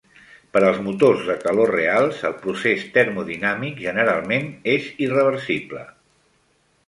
Per als motors de calor reals, el procès termodinàmic generalment és irreversible.